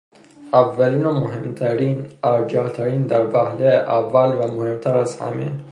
اولین و مهمترین، ارجح ترین، در وهله اول و مهمتر از همه